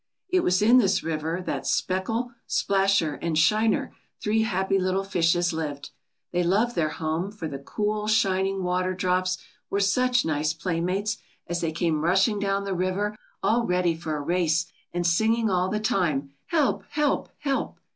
It was in this river that Speckle, Splasher, and Shiner, three happy little fishes, lived. They loved their home, for the cool, shining water drops were such nice playmates, as they came rushing down the river all ready for a race and singing all the time, "Help help! help!"